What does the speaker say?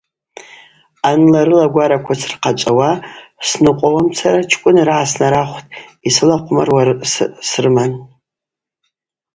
Аныла-арыла агвараква сырхъачӏвауа сныкъвауамцара чкӏвыныргӏа снарахвтӏ, йсылахъвмаруа срыман.